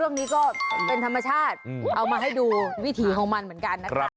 เรื่องนี้ก็เป็นธรรมชาติเอามาให้ดูวิถีของมันเหมือนกันนะครับ